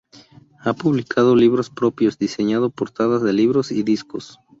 Ha publicado libros propios, diseñado portadas de libros y discos.